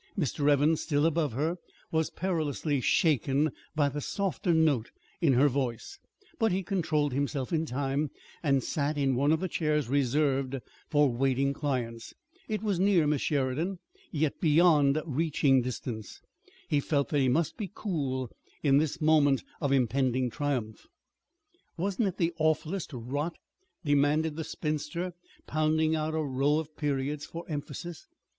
Mr. Evans, still above her, was perilously shaken by the softer note in her voice, but he controlled himself in time and sat in one of the chairs reserved for waiting clients. It was near Miss Sheridan, yet beyond reaching distance. He felt that he must be cool in this moment of impending triumph. "Wasn't it the awfullest rot?" demanded the spinster, pounding out a row of periods for emphasis.